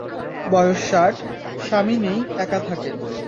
বয়স ষাট, স্বামী নেই, একা থাকেন।